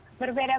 pas masa pandemi